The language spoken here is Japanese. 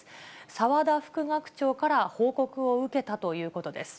澤田副学長から報告を受けたということです。